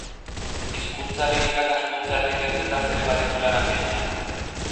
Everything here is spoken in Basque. Hizkuntzaren irakaskuntza eta ikerketaz ere baditu lanak eginak.